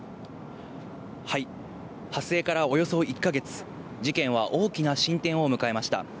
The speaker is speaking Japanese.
発生からおよそ１か月、事件は大きな進展を迎えました。